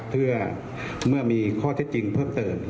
เพื่อเมื่อมีข้อเท็จจริงเพิ่มเติม